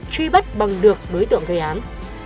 truy bắt bằng được đối tượng gây án